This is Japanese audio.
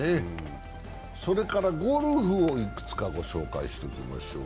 それから、ゴルフをいくつかご紹介しておきましょう。